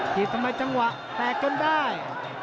เห็นไหมจังหวะแตกจนได้